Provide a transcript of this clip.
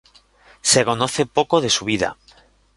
Se conoce poco de su vida.